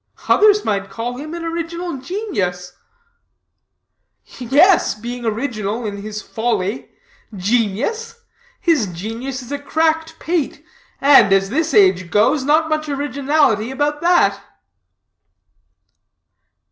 "Others might call him an original genius." "Yes, being original in his folly. Genius? His genius is a cracked pate, and, as this age goes, not much originality about that."